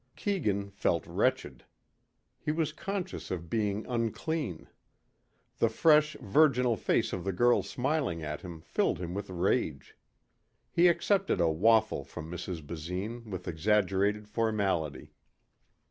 Keegan felt wretched. He was conscious of being unclean. The fresh, virginal face of the girl smiling at him filled him with rage. He accepted a waffle from Mrs. Basine with exaggerated formality.